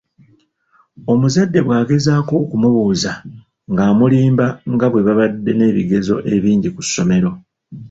Omuzadde bwagezaako okumubuuza, ng'amulimba nga bwe babadde ne ebigezo ebingi ku ssomero.